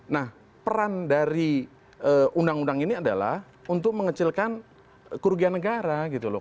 nah peran dari undang undang ini adalah untuk mengecilkan kerugian negara gitu loh